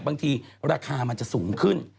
บางทีราคามันจะสูงขึ้น